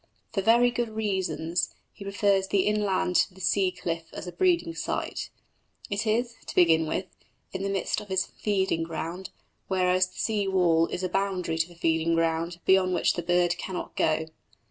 For very good reasons he prefers the inland to the sea cliff as a breeding site. It is, to begin with, in the midst of his feeding ground, whereas the sea wall is a boundary to a feeding ground beyond which the bird cannot go.